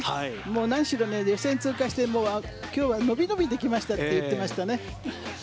何しろ予選通過して今日はのびのびできましたと言ってましたね。